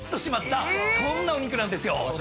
そんなお肉なんですよ。